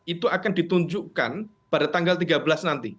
itu akan ditunjukkan pada tanggal tiga belas nanti